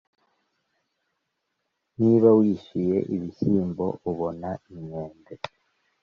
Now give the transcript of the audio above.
niba wishyuye ibishyimbo, ubona inkende